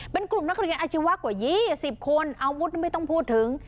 เป็นกลุ่มนักเรียนอาชีพว่ากว่ายี่สิบคนอาวุธไม่ต้องพูดถึง